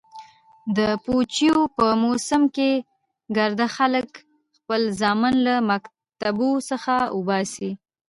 د پوجيو په موسم کښې ګرده خلك خپل زامن له مكتبو څخه اوباسي.